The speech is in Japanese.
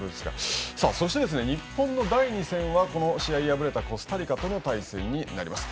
そして日本の第２戦はこの試合に敗れたコスタリカとの対戦になります。